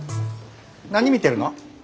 何見てるの？